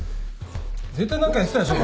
絶対何かやってたでしょ？